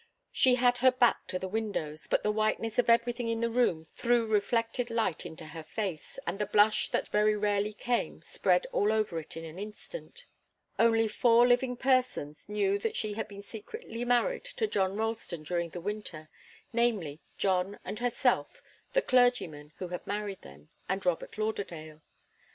She had her back to the windows, but the whiteness of everything in the room threw reflected light into her face, and the blush that very rarely came spread all over it in an instant. Only four living persons knew that she had been secretly married to John Ralston during the winter; namely, John and herself, the clergyman who had married them, and Robert Lauderdale.